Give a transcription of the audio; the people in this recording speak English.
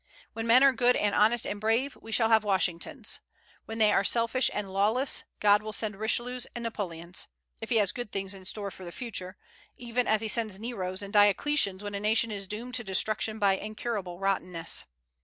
When men are good and honest and brave, we shall have Washingtons; when they are selfish and lawless, God will send Richelieus and Napoleons, if He has good things in store for the future, even as He sends Neros and Diocletians when a nation is doomed to destruction by incurable rottenness.